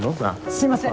すいません！